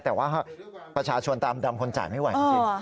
แต่ว่าประชาชนตามดำคนจ่ายไม่ไหวจริง